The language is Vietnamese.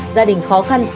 gia đình khó khăn